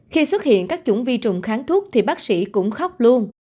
khi xuất hiện các chủng vi trùng kháng thuốc thì bác sĩ cũng khóc luôn